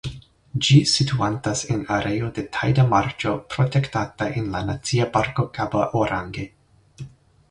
Ĝi situantas en areo de tajda marĉo protektata en la Nacia Parko Kabo Orange.